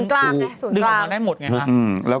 คือ